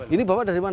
ini bawa dari mana